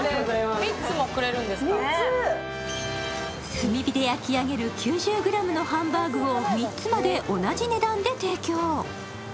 炭火で焼き上げる９０ｇのハンバーグを３つまで同じ値段で提供。